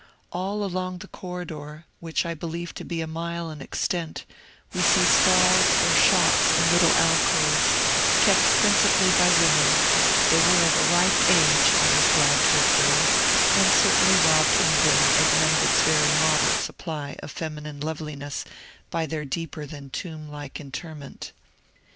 All along the corridor, which I believe to be a mile in extent, we see stalls or shops in little alcoves, kept principally by women; they were of a ripe age, I was glad to observe, and certainly robbed England of none of its very moderate supply of feminine loveliness by their deeper than tomb like interment.